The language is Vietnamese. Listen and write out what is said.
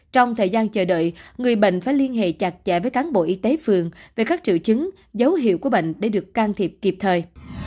trong thời gian chờ đợi người bệnh phải liên hệ chặt chẽ với cán bộ y tế phường về các triệu chứng dấu hiệu của bệnh để được can thiệp kịp thời